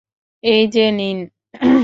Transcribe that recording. এই যে নিন।